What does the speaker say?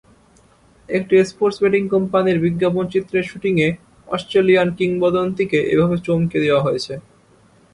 একটি sports betting কোম্পানির বিজ্ঞাপনচিত্রের শুটিংয়ে অস্ট্রেলিয়ান কিংবদন্তিকে এভাবে চমকে দেওয়া হয়েছে।